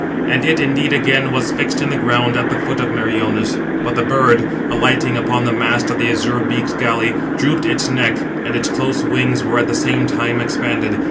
And it indeed again was fixed in the ground at the foot of Meriones: but the bird, alighting upon the mast of the azure beaked galley, drooped its neck, and its close wings were at the same time expanded.